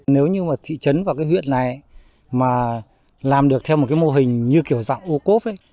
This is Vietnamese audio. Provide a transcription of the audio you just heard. nếu như mà thị trấn và cái huyện này mà làm được theo một cái mô hình như kiểu dạng u cốp ấy